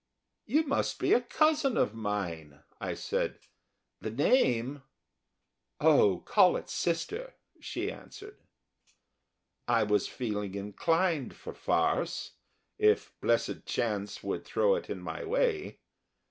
"You must be a cousin of mine," I said, "the name " "Oh, call it sister," she answered. I was feeling inclined for farce, if blessed chance would throw it in my way.